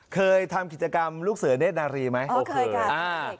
เคยทำกิจกรรมลูกเสือเนธนารีไหมโอเคอ่า